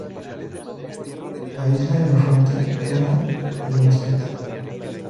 La isla Elefante era inhóspita.